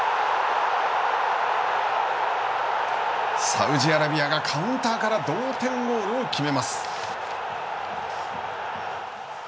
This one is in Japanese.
サウジアラビアがカウンターから同点ゴールを決めます。